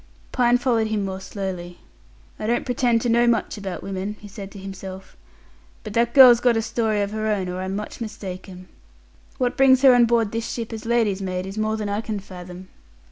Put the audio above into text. Pine followed him more slowly. "I don't pretend to know much about women," he said to himself, "but that girl's got a story of her own, or I'm much mistaken. What brings her on board this ship as lady's maid is more than I can fathom."